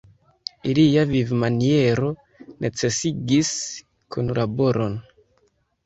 Ilia vivmaniero necesigis kunlaboron.